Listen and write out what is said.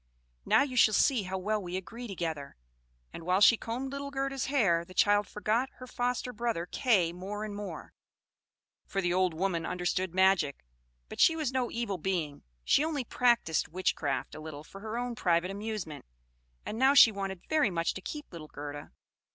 "Now you shall see how well we agree together"; and while she combed little Gerda's hair, the child forgot her foster brother Kay more and more, for the old woman understood magic; but she was no evil being, she only practised witchcraft a little for her own private amusement, and now she wanted very much to keep little Gerda.